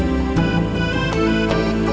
putih akan bekerja